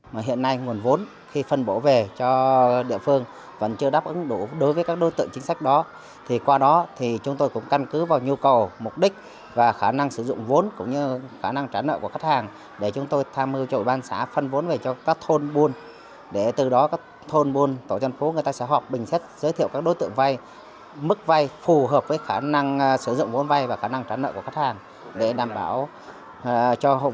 phù hợp với khả năng sử dụng vốn vay và khả năng trả nợ của khách hàng để đảm bảo cho hộp vay có khả năng sử dụng vốn vay đúng mục đích